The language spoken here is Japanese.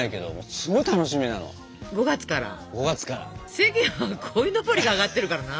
世間はこいのぼりがあがってるからな。